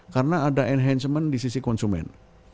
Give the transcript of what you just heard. karena ada enhancement di sisi konsumen